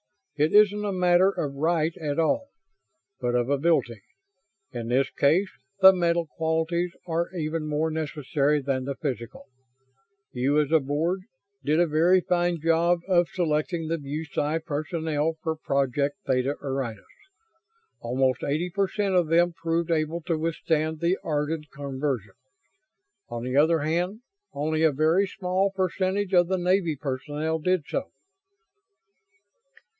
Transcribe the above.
It isn't a matter of right at all, but of ability. In this case the mental qualities are even more necessary than the physical. You as a Board did a very fine job of selecting the BuSci personnel for Project Theta Orionis. Almost eighty per cent of them proved able to withstand the Ardan conversion. On the other hand, only a very small percentage of the Navy personnel did so."